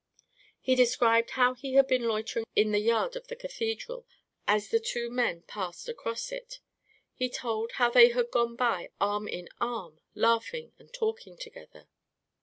He described how he had been loitering in the yard of the cathedral as the two men passed across it. He told how they had gone by arm in arm, laughing and talking together.